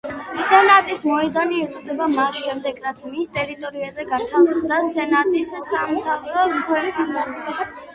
სენატის მოედანი ეწოდა მას შემდეგ, რაც მის ტერიტორიაზე განთავსდა სენატის სამთავრობო ქვედანაყოფი.